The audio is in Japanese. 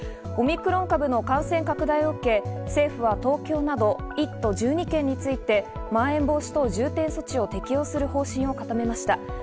オミクロン株の感染拡大を受け、政府は東京など１都１２県についてまん延防止等重点措置を適用する方針を固めました。